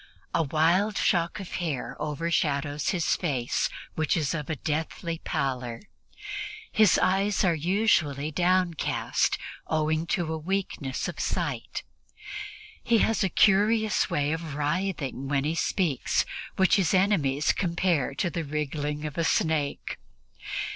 A wild shock of hair overshadows his face, which is of a deathly pallor; his eyes are usually downcast, owing to a weakness of sight. He has a curious way of writhing when he speaks, which his enemies compare to the wriggling of a snake.